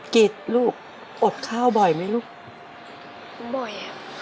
กิจลูกอดข้าวบ่อยไหมลูกบ่อยอ่ะ